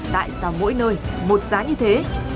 tại sao mỗi nơi một giá như thế